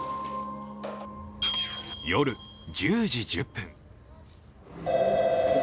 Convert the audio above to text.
夜１０時１０分。